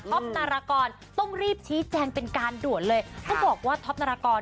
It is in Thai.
นารากรต้องรีบชี้แจงเป็นการด่วนเลยต้องบอกว่าท็อปนารากร